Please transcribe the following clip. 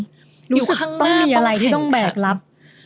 อยู่ข้างหน้าต้องแข่งขันอยู่ข้างหน้าต้องแข่งขันรู้สึกต้องมีอะไรที่ต้องแบกรับ